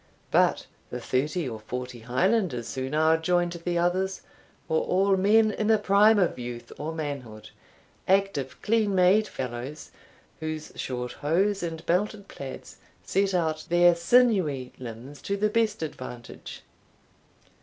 But the thirty or forty Highlanders who now joined the others, were all men in the prime of youth or manhood, active clean made fellows, whose short hose and belted plaids set out their sinewy limbs to the best advantage.